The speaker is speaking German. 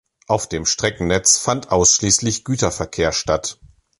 Auf dem Streckennetz fand ausschließlich Güterverkehr statt.